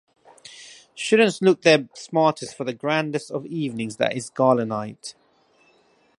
Students look their smartest for the grandest of evenings that is Gala Night.